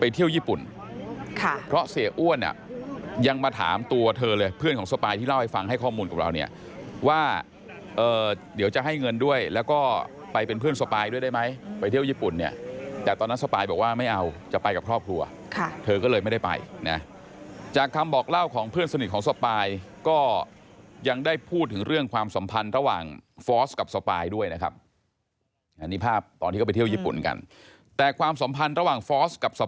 ไปเที่ยวญี่ปุ่นค่ะเพราะเสียอ้วนเนี่ยยังมาถามตัวเธอเลยเพื่อนของสปายที่เล่าให้ฟังให้ข้อมูลกับเราเนี่ยว่าเดี๋ยวจะให้เงินด้วยแล้วก็ไปเป็นเพื่อนสปายด้วยได้ไหมไปเที่ยวญี่ปุ่นเนี่ยแต่ตอนนั้นสปายบอกว่าไม่เอาจะไปกับครอบครัวค่ะเธอก็เลยไม่ได้ไปนะจากคำบอกเล่าของเพื่อนสนิทของสปายก็ยังได้พูดถึงเรื่องความส